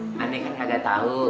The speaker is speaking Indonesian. saya kan tidak tahu